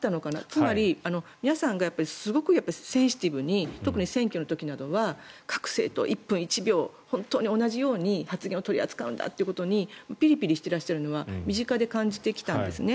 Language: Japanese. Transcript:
つまり皆さんがすごくセンシティブに特に選挙の時などは各政党１分１秒本当に同じように発言を取り扱うんだとピリピリしているのは身近で感じてきたんですね。